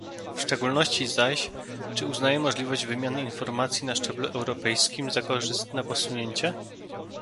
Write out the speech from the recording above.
W szczególności zaś, czy uznaje możliwość wymiany informacji na szczeblu europejskim za korzystne posunięcie?